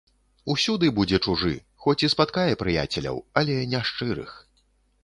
Усюды будзе чужы, хоць і спаткае прыяцеляў, але не шчырых.